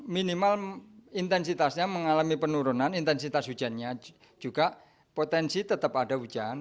minimal intensitasnya mengalami penurunan intensitas hujannya juga potensi tetap ada hujan